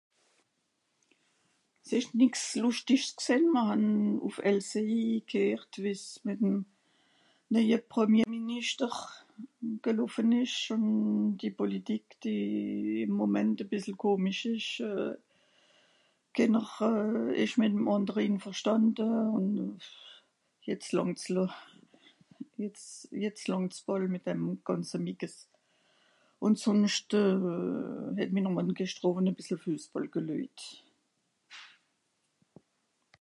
s'esch nix lustisch g'sìn mr hàn ùff elseni g'heert wies mìt'm neije premier minischter gelaufen esch schòn die politique die ìm moment à bìssel gommisch esch euh kener euh esch mìt'm àndere einverstànde ùn euh jetz làngs le jetz làngs bàl mìt dem gànze mikes ùn sònscht euh het minner mànn gescht ... à bìssel fuessbàll geleujt